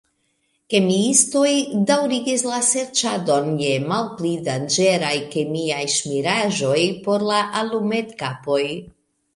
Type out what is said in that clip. Kemiistoj daŭrigis la serĉadon je malpli danĝeraj kemiaj ŝmiraĵoj por la alumetkapoj.